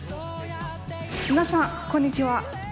皆さんこんにちは。